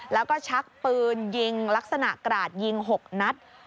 แล้วก็ชักปืนยิงลักษณะกราดยิง๖นัด